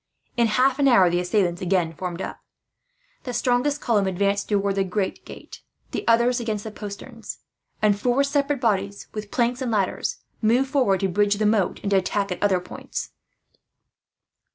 In half an hour the assailants again formed up. The strongest column advanced towards the great gate, others against the posterns; and four separate bodies, with planks and ladders, moved forward to bridge the moat and to attack at other points.